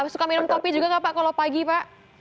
suka minum kopi juga nggak pak kalau pagi pak